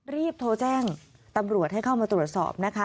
รีบโทรแจ้งตำรวจให้เข้ามาตรวจสอบนะคะ